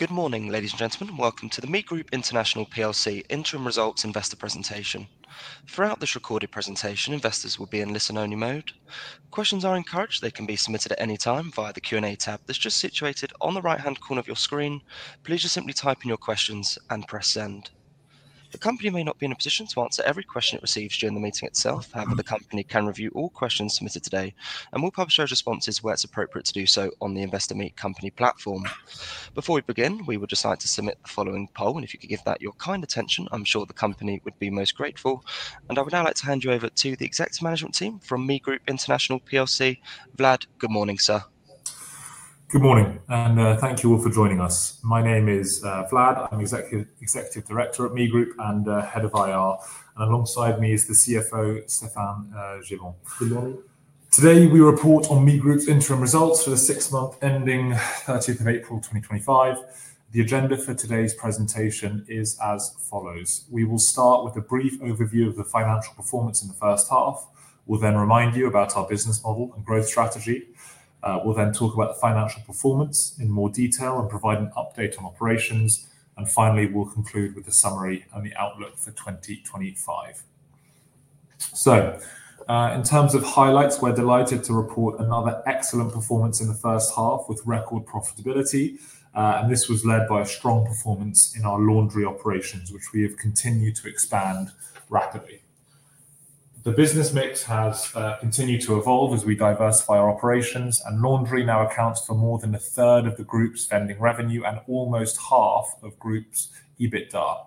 Good morning, ladies and gentlemen. Welcome to the ME Group International plc interim results investor presentation. Throughout this recorded presentation, investors will be in listen-only mode. Questions are encouraged, and they can be submitted at any time via the Q&A tab that's just situated on the right-hand corner of your screen. Please just simply type in your questions and press send. The company may not be in a position to answer every question it receives during the meeting itself. However, the company can review all questions submitted today and will publish those responses where it's appropriate to do so on the Investor Meet Company platform. Before we begin, we would just like to submit the following poll, and if you could give that your kind attention, I'm sure the company would be most grateful. I would now like to hand you over to the executive management team from ME Group International plc. Vlad, good morning, sir. Good morning, and thank you all for joining us. My name is Vlad. I'm the Executive Director at ME Group and Head of IR, and alongside me is the CFO, Stéphane Gibon. Today, we report on ME Group's interim results for the six-month ending 30th of April 2025. The agenda for today's presentation is as follows: we will start with a brief overview of the financial performance in the first half. We'll then remind you about our business model and growth strategy. We'll then talk about the financial performance in more detail and provide an update on operations. Finally, we'll conclude with a summary and the outlook for 2025. In terms of highlights, we're delighted to report another excellent performance in the first half with record profitability, and this was led by a strong performance in our laundry operations, which we have continued to expand rapidly. The business mix has continued to evolve as we diversify our operations, and laundry now accounts for more than a third of the group's vending revenue and almost half of the group's EBITDA.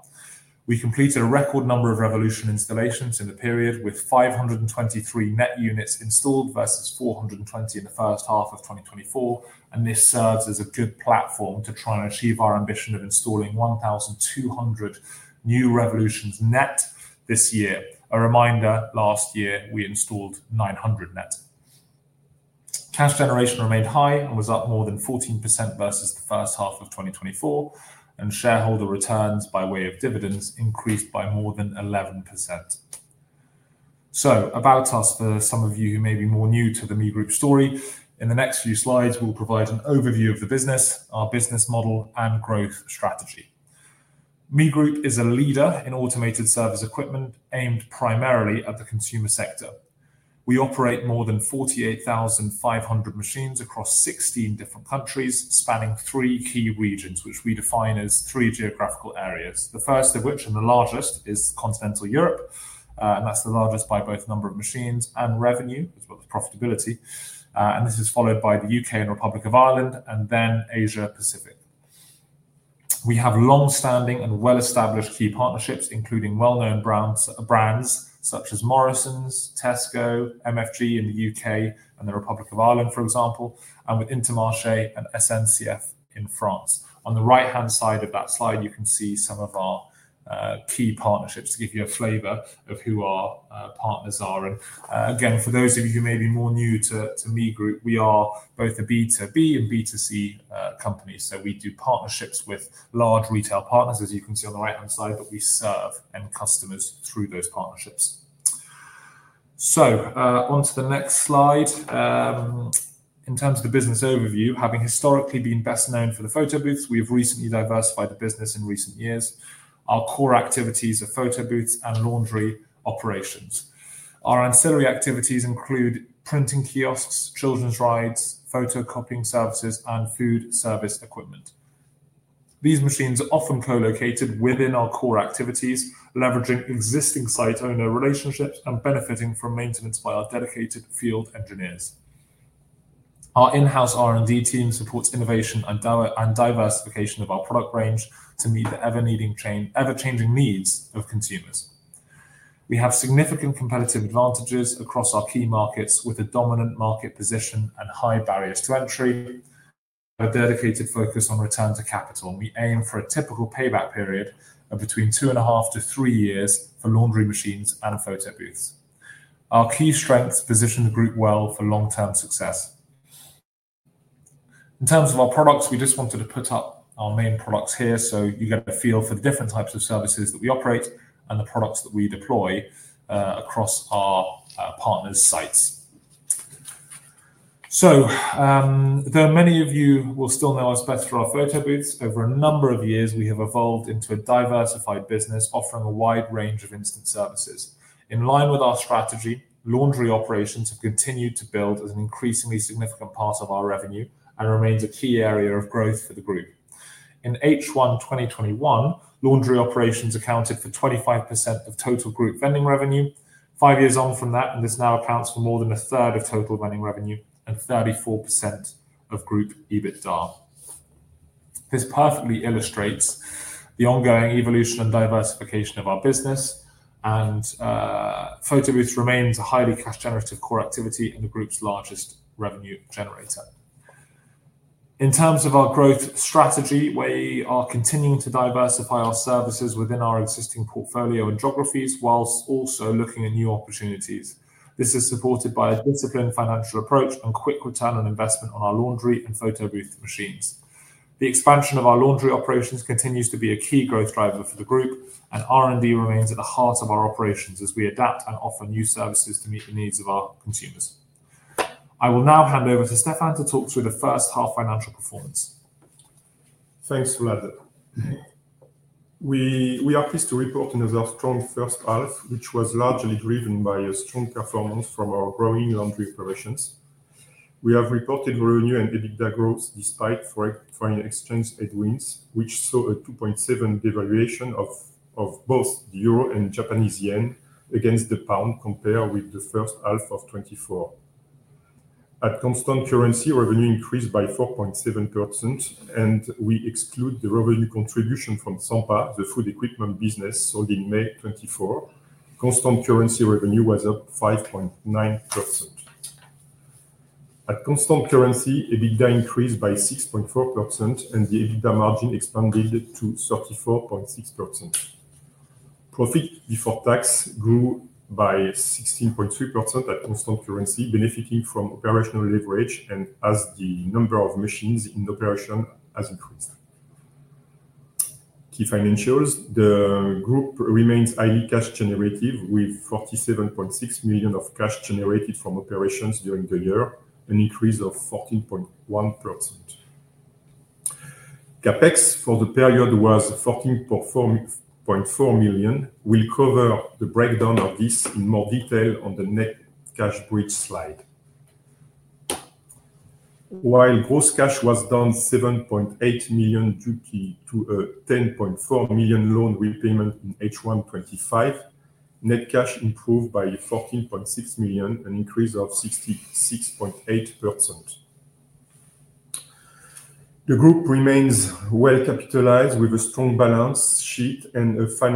We completed a record number of Revolution Laundry installations in the period, with 523 net units installed versus 420 in the first half of 2024. This serves as a good platform to try and achieve our ambition of installing 1,200 new Revolutions net this year. A reminder, last year we installed 900 net. Cash generation remained high and was up more than 14% versus the first half of 2024, and shareholder returns by way of dividends increased by more than 11%. About us, for some of you who may be more new to the ME Group story, in the next few slides, we'll provide an overview of the business, our business model, and growth strategy. ME Group is a leader in automated service equipment aimed primarily at the consumer sector. We operate more than 48,500 machines across 16 different countries spanning three key regions, which we define as three geographical areas. The first of which, and the largest, is Continental Europe, and that's the largest by both number of machines and revenue, but profitability. This is followed by the U.K. and Republic of Ireland, and then Asia Pacific. We have long-standing and well-established key partnerships, including well-known brands such as Morrisons, Tesco, MFG in the U.K and the Republic of Ireland, for example, and with Intermarché and SNCF in France. On the right-hand side of that slide, you can see some of our key partnerships to give you a flavor of who our partners are. For those of you who may be more new to ME Group, we are both a B2B and B2C company. We do partnerships with large retail partners, as you can see on the right-hand side, but we serve end customers through those partnerships. Onto the next slide. In terms of the business overview, having historically been best known for the photo booths, we've recently diversified the business in recent years. Our core activities are photo booths and laundry operations. Our ancillary activities include printing kiosks, children's rides, photocopying services, and food service equipment. These machines are often co-located within our core activities, leveraging existing site owner relationships and benefiting from maintenance by our dedicated field engineers. Our in-house R&D team supports innovation and diversification of our product range to meet the ever-changing needs of consumers. We have significant competitive advantages across our key markets, with a dominant market position and high barriers to entry. A dedicated focus on return to capital, and we aim for a typical payback period of between two and a half to three years for laundry machines and photo booths. Our key strengths position the group well for long-term success. In terms of our products, we just wanted to put up our main products here so you get the feel for the different types of services that we operate and the products that we deploy across our partners' sites. Though many of you will still know us best for our photo booths, over a number of years, we have evolved into a diversified business offering a wide range of instant services. In line with our strategy, laundry operations have continued to build as an increasingly significant part of our revenue and remains a key area of growth for the group. In H1, 2021 laundry operations accounted for 25% of total group vending revenue. Five years on from that, this now accounts for more than a third of total vending revenue and 34% of group EBITDA. This perfectly illustrates the ongoing evolution and diversification of our business, and photo booths remain a highly cash-generated core activity and the group's largest revenue generator. In terms of our growth strategy, we are continuing to diversify our services within our existing portfolio and geographies, whilst also looking at new opportunities. This is supported by a disciplined financial approach and quick return on investment on our laundry and photo booth machines. The expansion of our laundry operations continues to be a key growth driver for the group, and R&D remains at the heart of our operations as we adapt and offer new services to meet the needs of our consumers. I will now hand over to Stéphane to talk through the first half financial performance. Thanks, Vlad. We are pleased to report another strong first half, which was largely driven by a strong performance from our growing laundry operations. We have reported revenue and EBITDA growth despite foreign exchange headwinds, which saw a 2.7% devaluation of both the Euro and Japanese Yen against the pound compared with the first half of 2024. At constant currency, revenue increased by 4.7%, and we exclude the revenue contribution from Sampa, the food equipment business, sold in May 2024. Constant currency revenue was up 5.9%. At constant currency, EBITDA increased by 6.4%, and the EBITDA margin expanded to 34.6%. Profit before tax grew by 16.3% at constant currency, benefiting from operational leverage and as the number of machines in operation has increased. Key financials: the group remains highly cash-generative, with 47.6 million of cash generated from operations during the year, an increase of 14.1%. CapEx for the period was 14.4 million. We'll cover the breakdown of this in more detail on the net cash bridge slide. While gross cash was down 7.8 million due to a 10.4 million loan repayment in H1 2025, net cash improved by 14.6 million, an increase of 66.8%. The group remains well capitalized with a strong balance sheet and a strong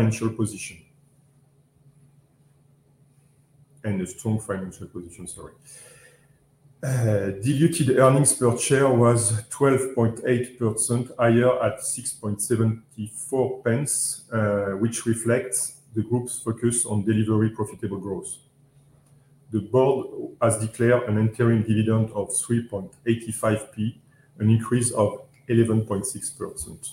financial position, sorry. Diluted earnings per share was 12.8% higher at 6.74 pence, which reflects the group's focus on delivering profitable growth. The board has declared an interim dividend of 3.85p, an increase of 11.6%.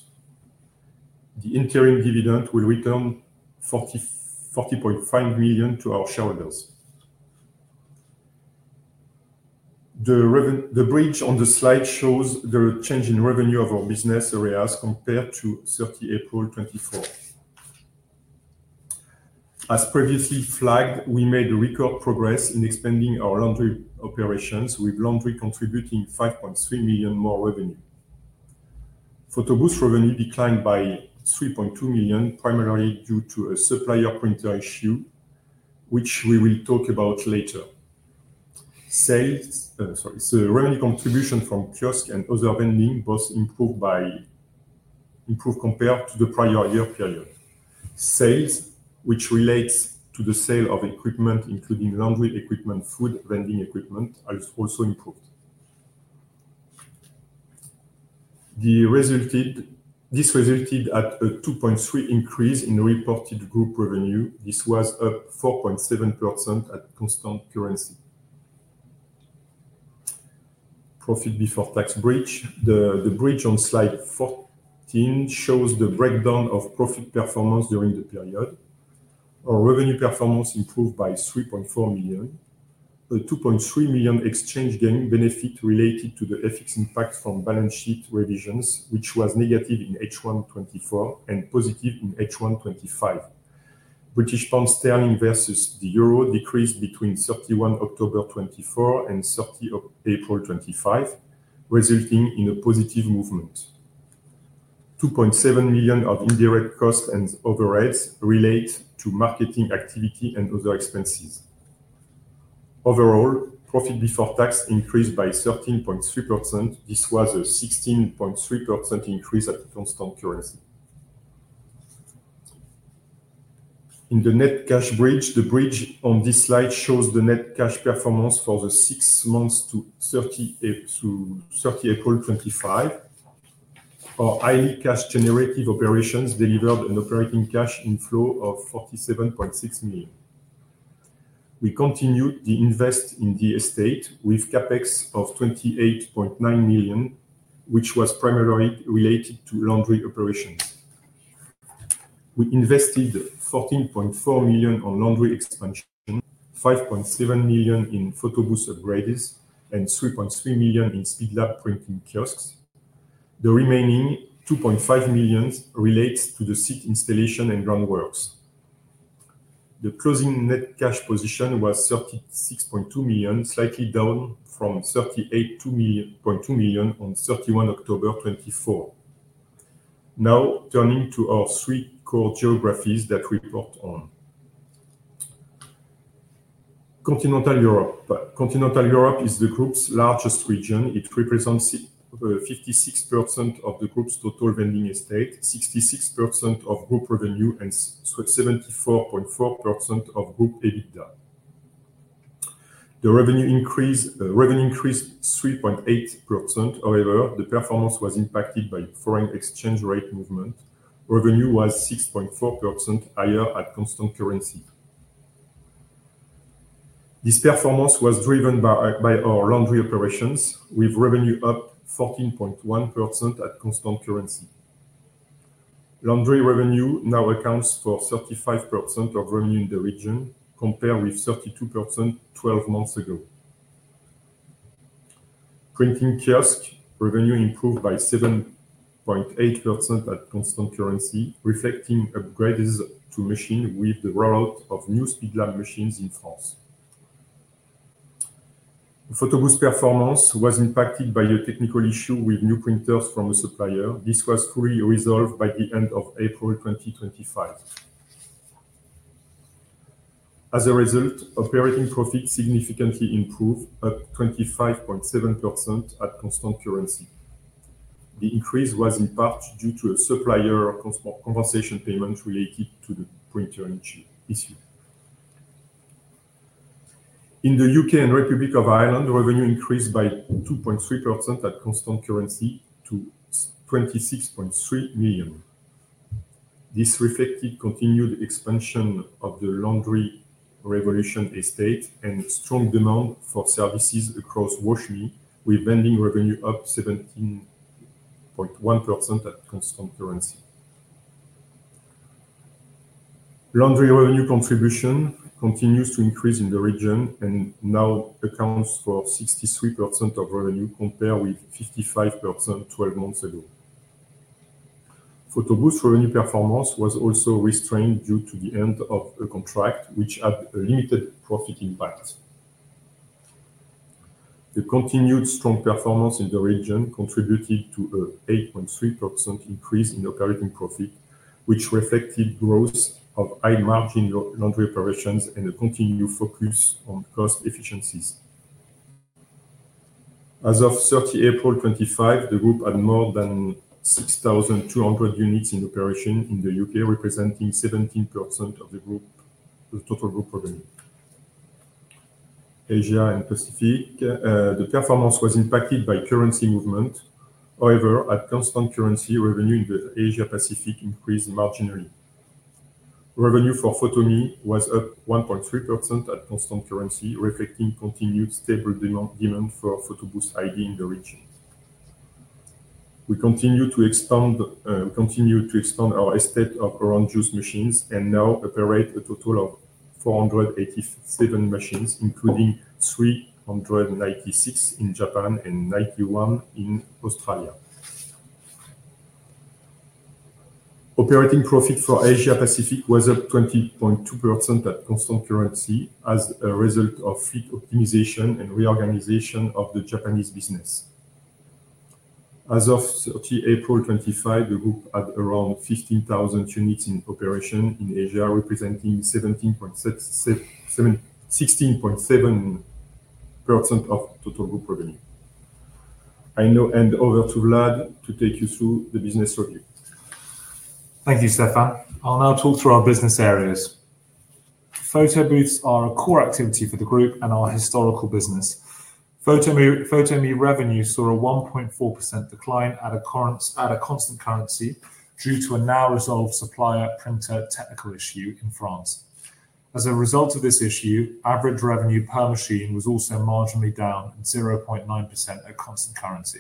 The interim dividend will return 40.5 million to our shareholders. The bridge on the slide shows the change in revenue of our business areas compared to 30 April 2024. As previously flagged, we made record progress in expanding our laundry operations, with laundry contributing 5.3 million more revenue. Photo booths' revenue declined by 3.2 million, primarily due to a supplier printer issue, which we will talk about later. Revenue contribution from kiosks and other vending was improved compared to the prior year period. Sales, which relates to the sale of equipment, including laundry equipment and food vending equipment, has also improved. This resulted in a 2.3% increase in the reported group revenue. This was up 4.7% at constant currency. Profit before tax bridge, the bridge on slide 14 shows the breakdown of profit performance during the period. Our revenue performance improved by 3.4 million. A 2.3 million exchange gain benefit related to the FX impacts from balance sheet revisions, which was negative in H1 2024 and positive in H1 2025. British pound sterling versus the Euro decreased between 31 October 2024 and 30 April 2025, resulting in a positive movement. 2.7 million of indirect costs and overheads relate to marketing activity and other expenses. Overall, profit before tax increased by 13.3%. This was a 16.3% increase at constant currency. In the net cash bridge, the bridge on this slide shows the net cash performance for the six months to 30 April, 2025. Our highly cash-generative operations delivered an operating cash inflow of 47.6 million. We continued to invest in the estate with a CapEx of 28.9 million, which was primarily related to laundry operations. We invested 14.4 million on laundry expansion, 5.7 million in photo booth upgrades, and 3.3 million in speed lab printing kiosks. The remaining 2.5 million relates to the seat installation and drum works. The closing net cash position was 36.2 million, slightly down from 38.2 million on 31 October, 2024. Now turning to our three core geographies that we report on. Continental Europe. Continental Europe is the group's largest region. It represents 56% of the group's total vending estate, 66% of group revenue, and 74.4% of group EBITDA. The revenue increased 3.8%. However, the performance was impacted by foreign exchange rate movement. Revenue was 6.4% higher at constant currency. This performance was driven by our laundry operations, with revenue up 14.1% at constant currency. Laundry revenue now accounts for 35% of revenue in the region, compared with 32% 12 months ago. Printing kiosks' revenue improved by 7.8% at constant currency, reflecting upgrades to machines with the rollout of new speed lab machines in France. Photo booth performance was impacted by a technical issue with new printers from a supplier. This was fully resolved by the end of April 2025. As a result, operating profits significantly improved, up 25.7% at constant currency. The increase was in part due to a supplier compensation payment related to the printer issue. In the U.K and Republic of Ireland, revenue increased by 2.3% at constant currency to 26.3 million. This reflected continued expansion of the Revolution Laundry estate and strong demand for services across the market, with vending revenue up 17.1% at constant currency. Laundry revenue contribution continues to increase in the region and now accounts for 63% of revenue, compared with 55% 12 months ago. Photo booths' revenue performance was also restrained due to the end of a contract, which had a limited profit impact. The continued strong performance in the region contributed to an 8.3% increase in operating profit, which reflected growth of high margin laundry operations and a continued focus on cost efficiencies. As of 30 April 2025, the group had more than 6,200 units in operation in the U.K, representing 17% of the total group revenue. Asia Pacific, the performance was impacted by currency movement. However, at constant currency, revenue in the Asia Pacific increased marginally. Revenue for photo was up 1.3% at constant currency, reflecting continued stable demand for photo booths in the region. We continue to expand our estate of around juice machines and now operate a total of 487 machines, including 396 in Japan and 91 in Australia. Operating profit for Asia Pacific was up 20.2% at constant currency as a result of fleet optimization and reorganization of the Japanese business. As of 30 April, 2025, the group had around 15,000 units in operation in Asia, representing 16.7% of total group revenue. I now hand over to Vlad to take you through the business overview. Thank you, Stéphane. I'll now talk through our business areas. Photo booths are a core activity for the group and our historical business. Photo ME revenue saw a 1.4% decline at constant currency due to a now resolved supplier printer issue in France. As a result of this issue, average revenue per machine was also marginally down 0.9% at constant currency.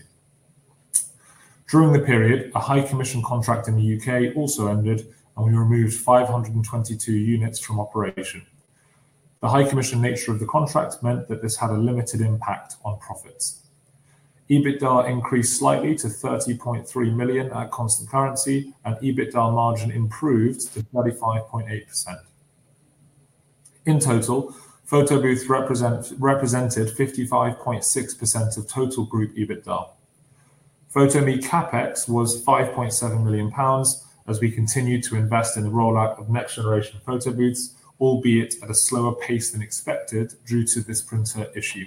During the period, a high commission contract in the U.K also ended, and we removed 522 units from operation. The high commission nature of the contract meant that this had a limited impact on profits. EBITDA increased slightly to 30.3 million at constant currency, and EBITDA margin improved to 35.8%. In total, photo booths represented 55.6% of total group EBITDA. Photo ME CapEx was 5.7 million pounds as we continued to invest in the rollout of next-generation photo booths, albeit at a slower pace than expected due to this printer issue.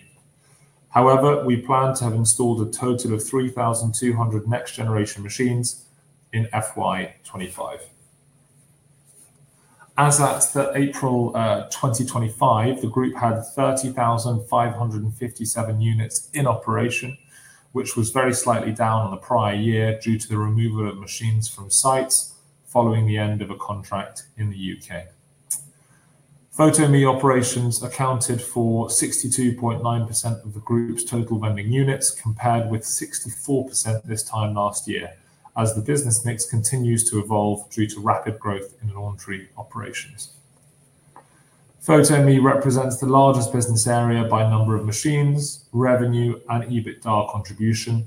However, we plan to have installed a total of 3,200 next-generation machines in FY 2025. As at April 2025, the group had 30,557 units in operation, which was very slightly down on the prior year due to the removal of machines from sites following the end of a contract in the U.K. Photo ME operations accounted for 62.9% of the group's total vending units, compared with 64% this time last year, as the business mix continues to evolve due to rapid growth in laundry operations. Photo ME represents the largest business area by number of machines, revenue, and EBITDA contribution.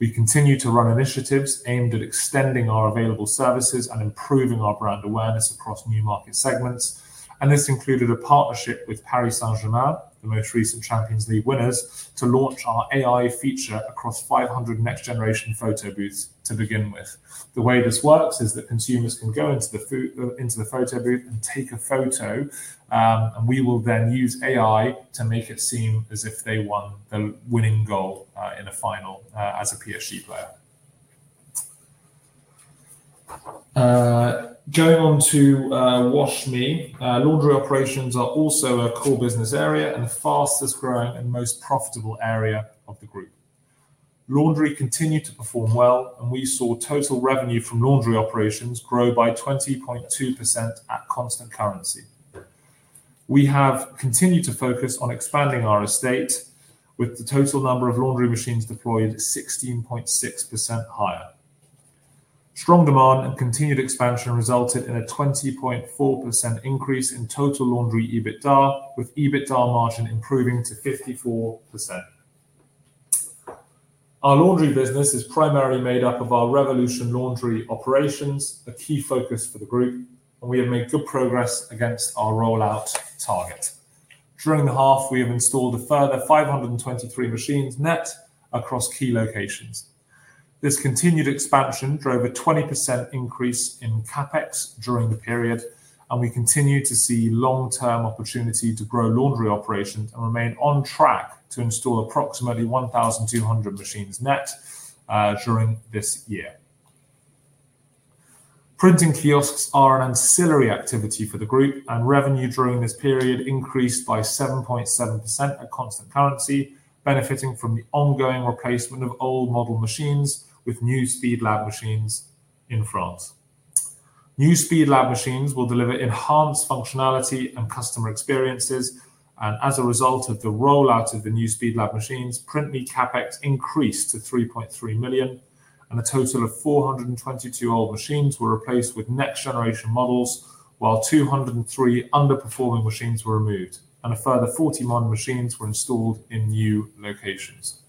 We continue to run initiatives aimed at extending our available services and improving our brand awareness across new market segments. This included a partnership with Paris Saint-Germain, the most recent Champions League winners, to launch our AI feature across 500 next-generation photo booths to begin with. The way this works is that consumers can go into the photo booth and take a photo, and we will then use AI to make it seem as if they won the winning goal in the final as a PSG player. Going on to WashMe, laundry operations are also a core business area and the fastest growing and most profitable area of the group. Laundry continued to perform well, and we saw total revenue from laundry operations grow by 20.2% at constant currency. We have continued to focus on expanding our estate, with the total number of laundry machines deployed 16.6% higher. Strong demand and continued expansion resulted in a 20.4% increase in total laundry EBITDA, with EBITDA margin improving to 54%. Our laundry business is primarily made up of our Revolution Laundry operations, a key focus for the group, and we have made good progress against our rollout target. During the half, we have installed a further 523 machines net across key locations. This continued expansion drove a 20% increase in CapEx during the period, and we continue to see long-term opportunity to grow laundry operations and remain on track to install approximately 1,200 machines net during this year. Printing kiosks are an ancillary activity for the group, and revenue during this period increased by 7.7% at constant currency, benefiting from the ongoing replacement of old model machines with new Speed Lab machines in France. New Speed Lab machines will deliver enhanced functionality and customer experiences, and as a result of the rollout of the new Speed Lab machines, Print ME CapEx increased to 3.3 million, and a total of 422 old machines were replaced with next-generation models, while 203 underperforming machines were removed, and a further 41 machines were installed in new locations.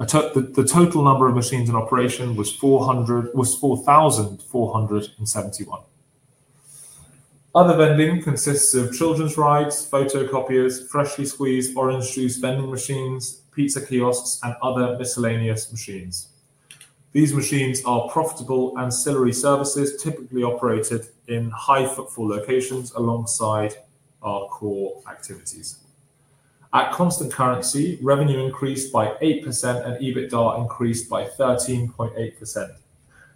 The total number of machines in operation was 4,471. Other vending consists of children's rides, photocopiers, freshly squeezed orange juice vending machines, pizza kiosks, and other miscellaneous machines. These machines are profitable ancillary services typically operated in high footfall locations alongside our core activities. At constant currency, revenue increased by 8% and EBITDA increased by 13.8%.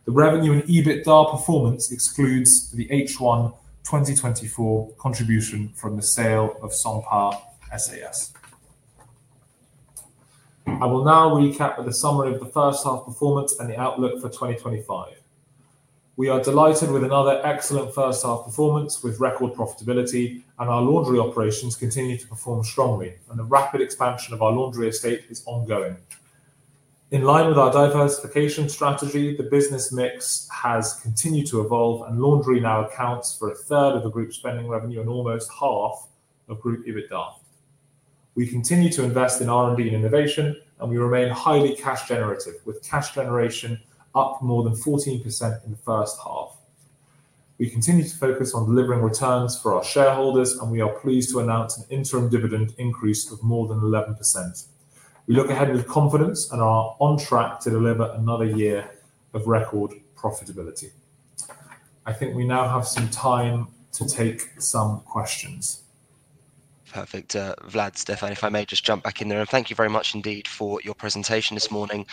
The revenue and EBITDA performance excludes the H1 2024 contribution from the sale of Sampa SAS. I will now recap the summary of the first half performance and the outlook for 2025. We are delighted with another excellent first half performance with record profitability, and our laundry operations continue to perform strongly, and the rapid expansion of our laundry estate is ongoing. In line with our diversification strategy, the business mix has continued to evolve, and laundry now accounts for a third of the group's vending revenue and almost half of group EBITDA. We continue to invest in R&D and innovation, and we remain highly cash-generative, with cash generation up more than 14% in the first half. We continue to focus on delivering returns for our shareholders, and we are pleased to announce an interim dividend increase of more than 11%. We look ahead with confidence and are on track to deliver another year of record profitability. I think we now have some time to take some questions. Perfect. Vlad, Stéphane, if I may just jump back in the room. Thank you very much indeed for your presentation this morning.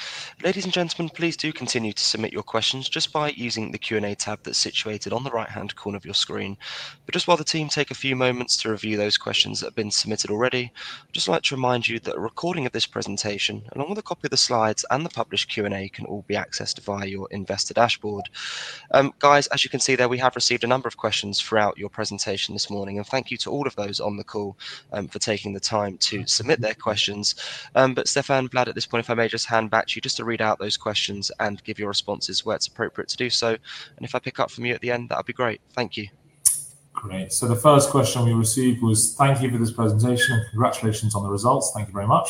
Ladies and gentlemen, please do continue to submit your questions just by using the Q&A tab that's situated on the right-hand corner of your screen. While the team take a few moments to review those questions that have been submitted already, I'd just like to remind you that a recording of this presentation, along with a copy of the slides and the published Q&A, can all be accessed via your investor dashboard. As you can see there, we have received a number of questions throughout your presentation this morning, and thank you to all of those on the call for taking the time to submit their questions. Stéphane, Vlad, at this point, if I may just hand back to you to read out those questions and give your responses where it's appropriate to do so. If I pick up from you at the end, that would be great. Thank you. Great. The first question we received was, thank you for this presentation and congratulations on the results. Thank you very much.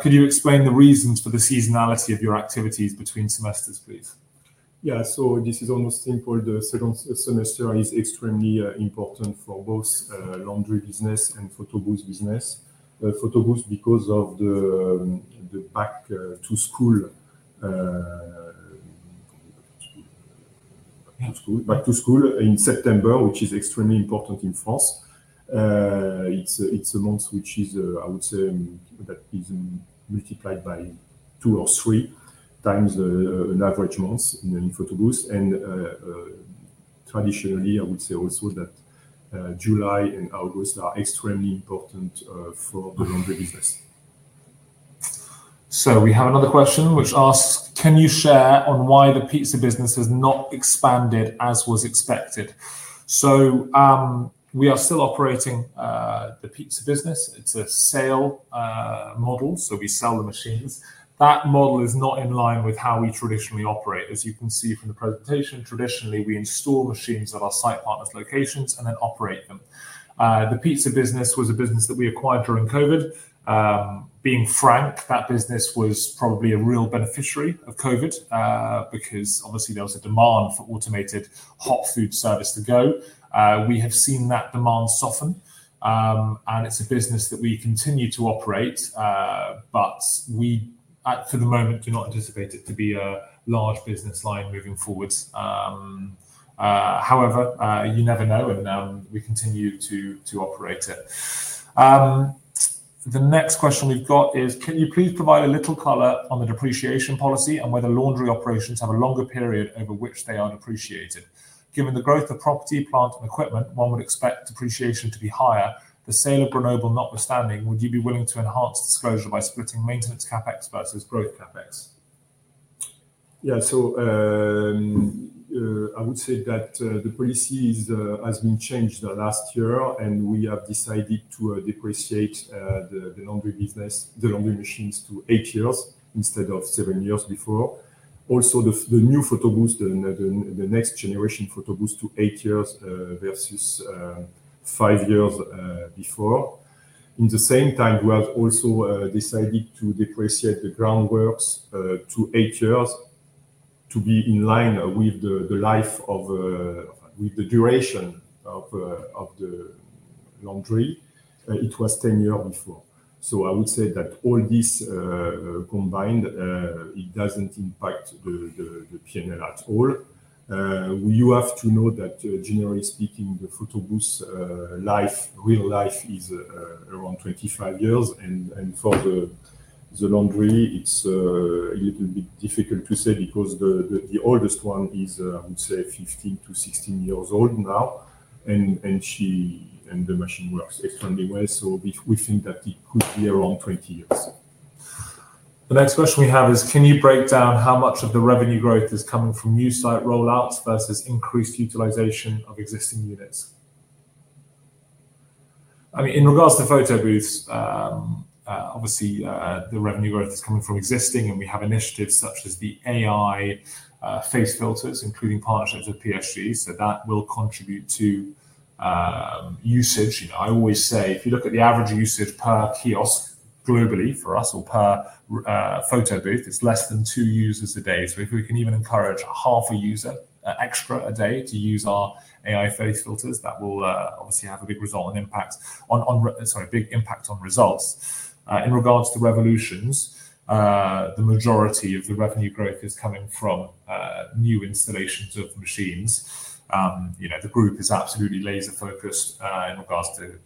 Could you explain the reasons for the seasonality of your activities between semesters, please? Yes, this is almost simple. The second semester is extremely important for both the laundry business and photo booth business. Photo booths because of the back to school, back to school in September, which is extremely important in France. It's a month which is, I would say, that is multiplied by two or three times an average month in photo booths. Traditionally, I would say also that July and August are extremely important for the laundry business. We have another question which asks, can you share on why the pizza business has not expanded as was expected? We are still operating the pizza business. It's a sale model, so we sell the machines. That model is not in line with how we traditionally operate. As you can see from the presentation, traditionally we install machines at our site partners' locations and then operate them. The pizza business was a business that we acquired during COVID. Being frank, that business was probably a real beneficiary of COVID because obviously there was a demand for automated hot food service to go. We have seen that demand soften, and it's a business that we continue to operate, but we at the moment do not anticipate it to be a large business line moving forward. However, you never know, and we continue to operate it. The next question we've got is, can you please provide a little color on the depreciation policy and whether laundry operations have a longer period over which they are depreciated? Given the growth of property, plant, and equipment, one would expect depreciation to be higher. The sale of Grenoble notwithstanding, would you be willing to enhance disclosure by splitting maintenance CapEx versus growth CapEx? Yeah, I would say that the depreciation policy has been changed last year, and we have decided to depreciate the laundry business, the laundry machines to eight years instead of seven years before. Also, the new photo booths, the next-generation photo booths to eight years versus five years before. At the same time, we have also decided to depreciate the groundworks to eight years to be in line with the duration of the laundry. It was 10 years before. I would say that all this combined, it doesn't impact the P&L at all. You have to know that, generally speaking, the photo booth's real life is around 25 years. For the laundry, it's a little bit difficult to say because the oldest one is, I would say, 15 to 16 years old now, and the machine works extremely well. We think that it could be around 20 years. The next question we have is, can you break down how much of the revenue growth is coming from new site rollouts versus increased utilization of existing units? I mean, in regards to photo booths, obviously, the revenue growth is coming from existing, and we have initiatives such as the AI face filters, including partnerships with PFC, so that will contribute to usage. I always say if you look at the average usage per kiosk globally for us or per photo booth, it's less than two users a day. If we can even encourage half a user extra a day to use our AI face filters, that will obviously have a big impact on results. In regards to Revolution Laundry, the majority of the revenue growth is coming from new installations of machines. The group is absolutely laser-focused in regards to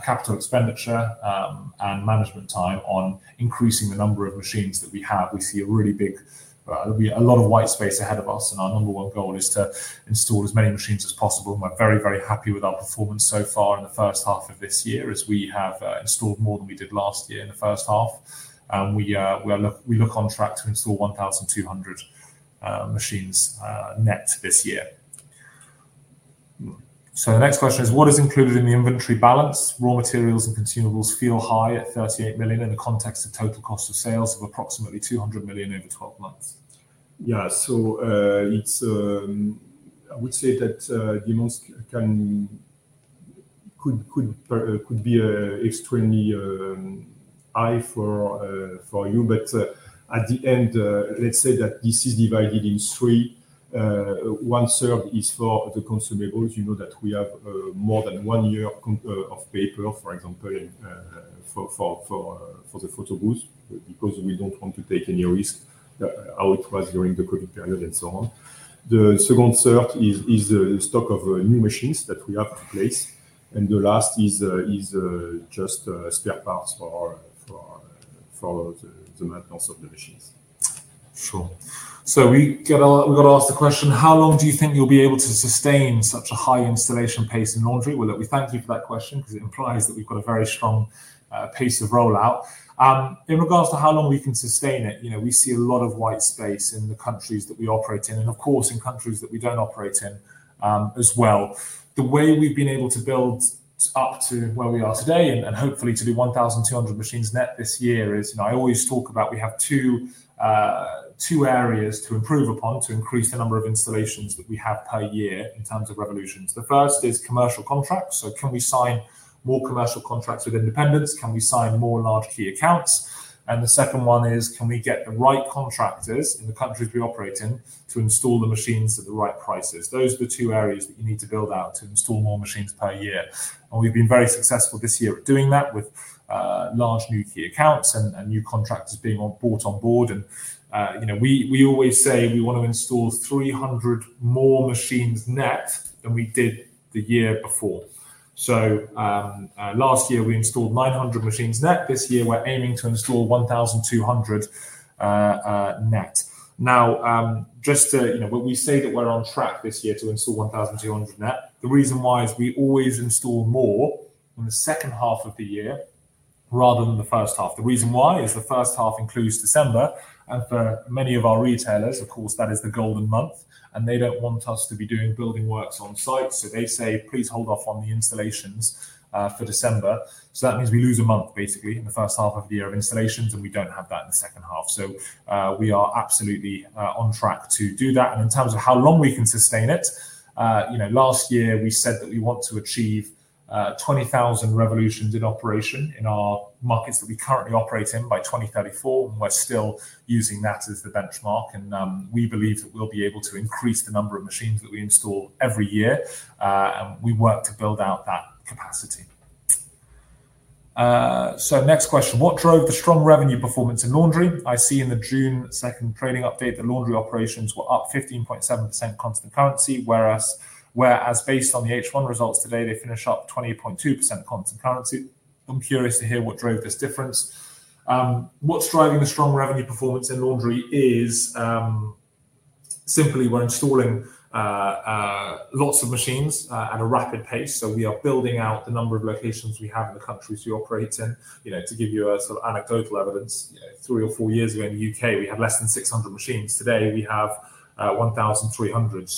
capital expenditure and management time on increasing the number of machines that we have. We see a really big, a lot of white space ahead of us, and our number one goal is to install as many machines as possible. We're very, very happy with our performance so far in the first half of this year as we have installed more than we did last year in the first half. We look on track to install 1,200 machines net this year. The next question is, what is included in the inventory balance? Raw materials and consumables feel high at $38 million in the context of total cost of sales of approximately $200 million over 12 months. Yeah, I would say that demands could be extremely high for you, but at the end, let's say that this is divided in three. One third is for the consumables. You know that we have more than one year of paper, for example, for the photo booths because we don't want to take any risk, how it was during the COVID period and so on. The second third is the stock of new machines that we have to place. The last is just spare parts for the maintenance of the machines. Sure. We got to ask the question, how long do you think you'll be able to sustain such a high installation pace in laundry? Thank you for that question because it implies that we've got a very strong pace of rollout. In regards to how long we can sustain it, we see a lot of white space in the countries that we operate in, and of course, in countries that we don't operate in as well. The way we've been able to build up to where we are today and hopefully to do 1,200 machines net this year is, I always talk about we have two areas to improve upon to increase the number of installations that we have per year in terms of Revolutions. The first is commercial contracts. Can we sign more commercial contracts with independents? Can we sign more large key accounts? The second one is, can we get the right contractors in the countries we operate in to install the machines at the right prices? Those are the two areas that you need to build out to install more machines per year. We've been very successful this year at doing that with large new key accounts and new contractors being brought on board. We always say we want to install 300 more machines net than we did the year before. Last year we installed 900 machines net. This year we're aiming to install 1,200 net. We say that we're on track this year to install 1,200 net. The reason why is we always install more in the second half of the year rather than the first half. The reason why is the first half includes December. For many of our retailers, of course, that is the golden month. They don't want us to be doing building works on site. They say, please hold off on the installations for December. That means we lose a month basically in the first half of the year of installations, and we don't have that in the second half. We are absolutely on track to do that. In terms of how long we can sustain it, last year we said that we want to achieve 20,000 Revolutions in operation in our markets that we currently operate in by 2034. We're still using that as the benchmark. We believe that we'll be able to increase the number of machines that we install every year. We work to build out that capacity. Next question, what drove the strong revenue performance in laundry? I see in the June 2 trading update that laundry operations were up 15.7% constant currency, whereas based on the H1 results today, they finish up 20.2% constant currency. I'm curious to hear what drove this difference. What's driving the strong revenue performance in laundry is simply we're installing lots of machines at a rapid pace. We are building out the number of locations we have in the countries we operate in. To give you a sort of anecdotal evidence, three or four years ago in the U.K, we had less than 600 machines. Today we have 1,300.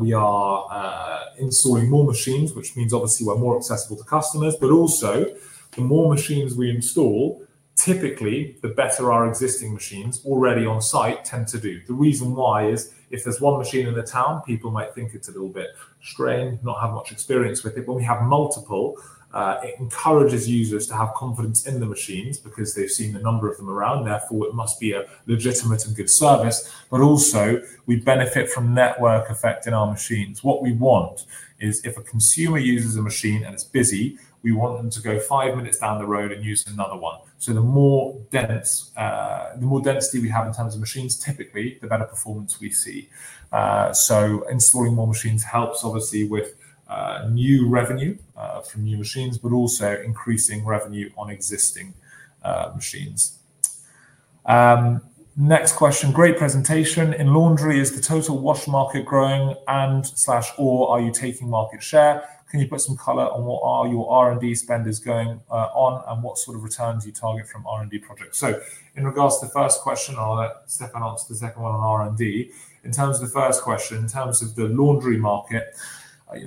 We are installing more machines, which means obviously we're more accessible to customers. Also, the more machines we install, typically the better our existing machines already on site tend to do. The reason why is if there's one machine in a town, people might think it's a little bit strange, not have much experience with it. When we have multiple, it encourages users to have confidence in the machines because they've seen a number of them around. Therefore, it must be a legitimate and good service. Also, we benefit from network effect in our machines. What we want is if a consumer uses a machine and it's busy, we want them to go five minutes down the road and use another one. The more density we have in terms of machines, typically the better performance we see. Installing more machines helps obviously with new revenue from new machines, but also increasing revenue on existing machines. Next question, great presentation. In laundry, is the total wash market growing and/or are you taking market share? Can you put some color on what your R&D spend is going on and what sort of returns you target from R&D projects? In regards to the first question, I'll let Stéphane answer the second one on R&D. In terms of the first question, in terms of the laundry market,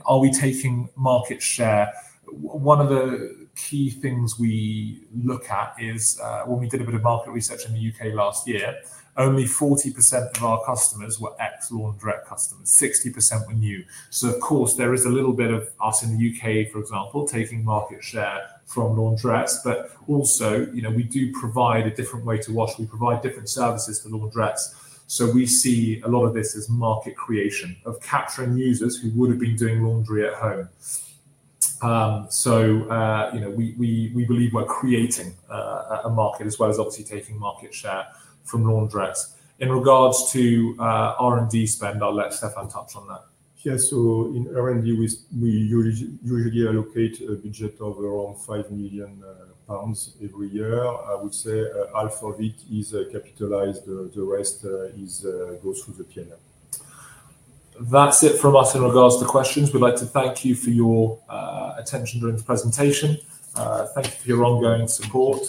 are we taking market share? One of the key things we look at is when we did a bit of market research in the U.K last year, only 40% of our customers were ex-laundrette customers. 60% were new. Of course, there is a little bit of us in the U.K, for example, taking market share from laundrette. Also, we do provide a different way to wash. We provide different services for laundrette. We see a lot of this as market creation of capturing users who would have been doing laundry at home. We believe we're creating a market as well as obviously taking market share from laundrette. In regards to R&D spend, I'll let Stéphane Gibon touch on that. Yeah, in R&D, we usually allocate a budget of around 5 million pounds every year. I would say half of it is capitalized. The rest goes through the tier. That's it from us in regards to questions. We'd like to thank you for your attention during this presentation. Thank you for your ongoing support.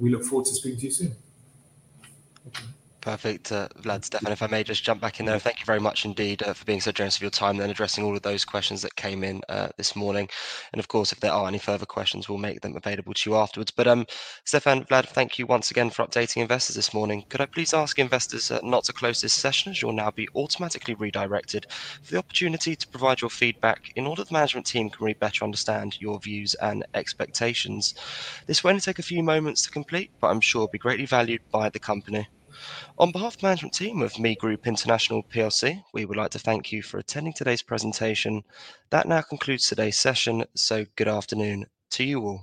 We look forward to speaking to you soon. Perfect. Vlad, Stéphane, if I may just jump back in there, thank you very much indeed for being so generous of your time and addressing all of those questions that came in this morning. Of course, if there are any further questions, we'll make them available to you afterwards. Stéphane, Vlad, thank you once again for updating investors this morning. Could I please ask investors not to close this session as you'll now be automatically redirected for the opportunity to provide your feedback in order for the management team to better understand your views and expectations? This won't take a few moments to complete, but I'm sure it'll be greatly valued by the company. On behalf of the management team of ME Group International plc, we would like to thank you for attending today's presentation. That now concludes today's session. Good afternoon to you all.